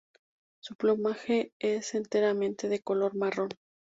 Su plumaje es enteramente de color marrón.